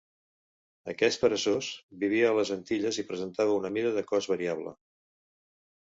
Aquest peresós vivia a les Antilles i presentava una mida de cos variable.